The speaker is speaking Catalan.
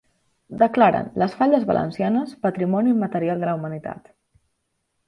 Declaren les Falles valencianes patrimoni immaterial de la Humanitat